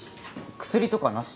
薬とかなし？